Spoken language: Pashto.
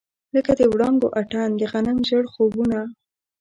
لکه د وړانګو اتڼ، د غنم ژړ خوبونه